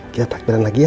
kita takbiran lagi ya